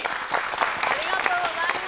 ありがとうございます